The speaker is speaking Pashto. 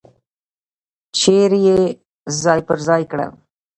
چیرې یې ځای پر ځای کړل.